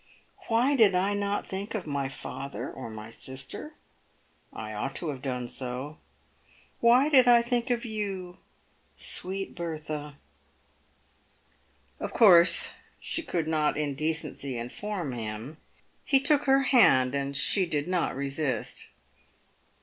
Why did I not think of my father or my sister ? I ought to have done so. Why did I think of you, sweet Bertha ?" Of course she could not in decency inform him. He took her hand, and she did not resist.